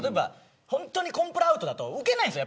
本当に、コンプラアウトだとウケないんです。